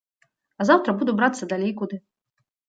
А заўтра буду брацца далей куды.